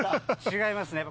違いますね。